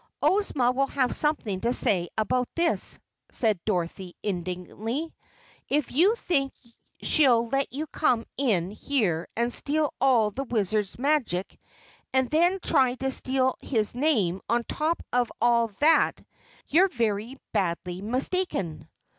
"Ozma will have something to say about this," said Dorothy indignantly. "If you think she'll let you come in here and steal all the Wizard's magic and then try to steal his name on top of all that you're very badly mistaken."